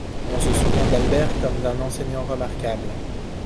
On se souvient d'Albert comme d'un enseignant remarquable.